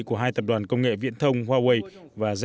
của hai tập đoàn công nghệ viện thông huawei và jte